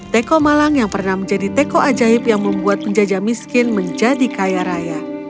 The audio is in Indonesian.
teko malang yang pernah menjadi teko ajaib yang membuat penjajah miskin menjadi kaya raya